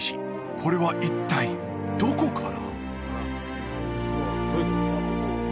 これは一体どこから？